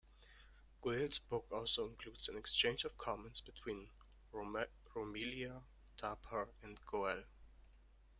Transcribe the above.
Goel's book also includes an exchange of comments between Romila Thapar and Goel.